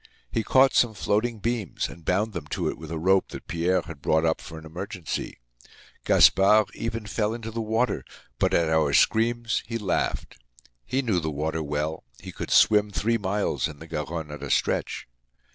He caught some floating beams and bound them to it with a rope that Pierre had brought up for an emergency. Gaspard even fell into the water, but at our screams he laughed. He knew the water well; he could swim three miles in the Garonne at a stretch.